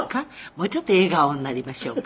「もうちょっと笑顔になりましょうか。